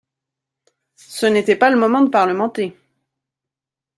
Ce n’était pas le moment de parlementer!